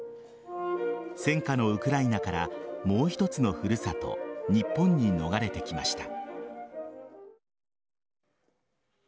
戦禍のウクライナからもう一つの古里・日本に逃れてきました。